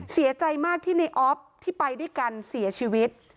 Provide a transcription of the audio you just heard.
เสียใจมากที่ในออฟที่ไปด้วยกันเสียชีวิต